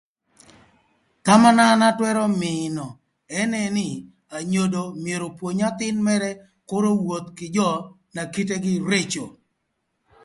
Thama na an atwërö mïïnö ënë nï anyodo myero opwony athïn mërë kür owoth kï jö na kite reco.